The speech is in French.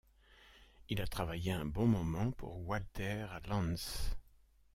Il a travaillé un bon moment pour Walter Lantz.